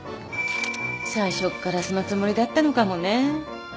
最初っからそのつもりだったのかもね